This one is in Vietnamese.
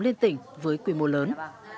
liên tỉnh với quy mô lớn